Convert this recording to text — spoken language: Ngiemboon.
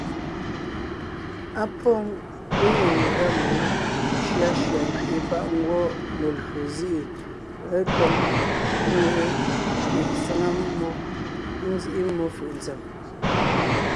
Á pôŋ legiŋ ngʉa mmó shʉashʉa nkẅiʼi páʼ ngwɔ́ melÿo zîʼi letóŋ, ŋweʼe mbiŋ sáŋa mmó, nzíʼi mmó fʉʼ ntsèm.